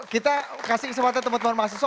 kita kasih kesempatan teman teman mahasiswa